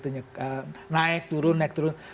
naik turun naik turun